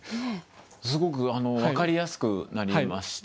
すごく分かりやすくなりましたね。